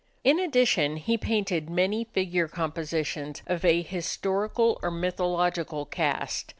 In addition he painted many figure compositions of a historical or mythological cast.